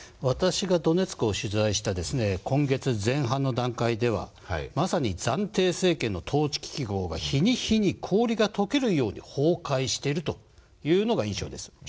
私がドネツクを取材した今月前半の段階ではまさに暫定政権の統治機能が日に日に氷が解けるように崩壊しているというのが印象です。